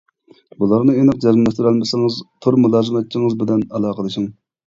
بۇلارنى ئېنىق جەزملەشتۈرەلمىسىڭىز تور مۇلازىمەتچىڭىز بىلەن ئالاقىلىشىڭ.